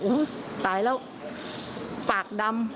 อุ้ยตายแล้ว